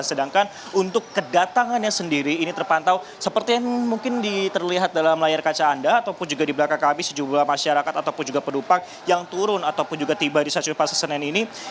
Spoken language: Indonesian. sedangkan untuk kedatangannya sendiri ini terpantau seperti yang mungkin terlihat dalam layar kaca anda ataupun juga di belakang kami sejumlah masyarakat ataupun juga penumpang yang turun ataupun juga tiba di stasiun pasar senen ini